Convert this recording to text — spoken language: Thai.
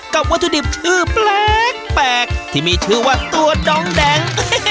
วัตถุดิบชื่อแปลกที่มีชื่อว่าตัวดองแดง